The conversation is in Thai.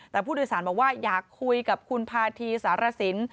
แต่ผู้โดยสารบอกว่าอยากคุยกับคุณพาธีสารสิน